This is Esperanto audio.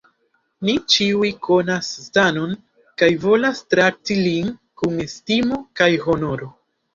Ni ĉiuj konas Stanon kaj volas trakti lin kun estimo kaj honoro.